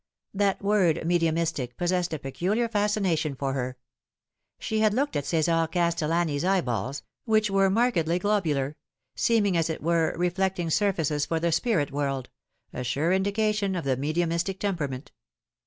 That word medium istic possessed a peculiar fascination for her. She had looked at Ce"sar Castellani's eyeballs, which were markedly globular seem ing, as it were, reflecting surfaces for the spirit world, a sure indication of the mediumistic temperament.